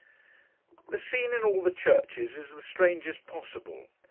The scene in all the churches is the strangest possible.